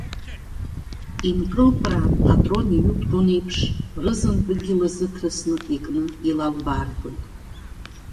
Инкылкәраан атрон иҩықәтәон еиԥш, рызынтәыкгьы лазыҭрысны икны илалбаарҳәоит.